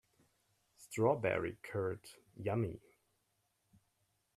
Strawberry curd, yummy!